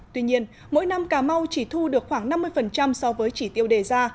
tuy nhiên mỗi năm cà mau chỉ thu được khoảng năm mươi so với chỉ tiêu đề ra